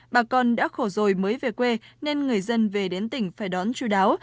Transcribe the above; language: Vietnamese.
bà con đã khổ rồi mới về quê nên người dân về đến tỉnh phải đón chú đáo